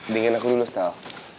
dengan aku dulu stella